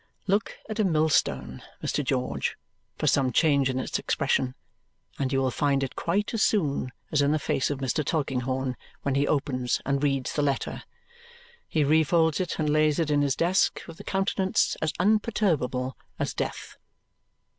Look at a millstone, Mr. George, for some change in its expression, and you will find it quite as soon as in the face of Mr. Tulkinghorn when he opens and reads the letter! He refolds it and lays it in his desk with a countenance as unperturbable as death.